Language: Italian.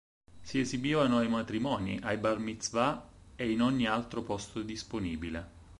Si esibivano ai matrimoni, ai Bar mitzvah e in ogni altro posto disponibile.